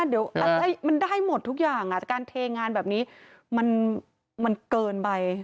เดี๋ยวมันได้หมดทุกอย่างแต่การเทงานแบบนี้มันเกินไป